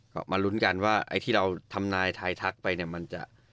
ก็มาลุ้นกันว่าไอ้ที่เราทำนายทายทักไปเนี่ยมันจะ